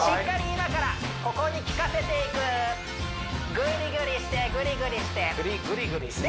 今からここにきかせていくグリグリしてグリグリしてグリグリすんの？